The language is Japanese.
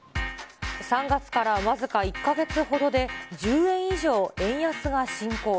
３月から僅か１か月ほどで、１０円以上円安が進行。